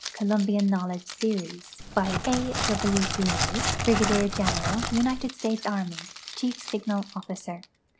Columl>ian Knowledge Series. ByA W. Greely, ]jri<radier General, United States Army ; Chief Signal Otficer.